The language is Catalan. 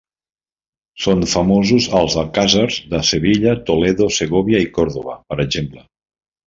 Són famosos els alcàssers de Sevilla, Toledo, Segòvia i Còrdova, per exemple.